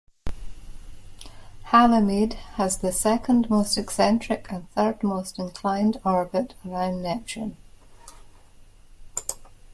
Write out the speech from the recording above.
Halimede has the second most eccentric and third most inclined orbit around Neptune.